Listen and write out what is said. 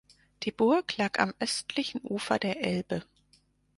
Die Burg lag am östlichen Ufer der Elbe.